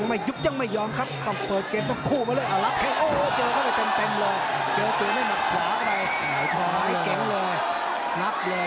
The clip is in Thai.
รับเลยกรรมการเลยพากัน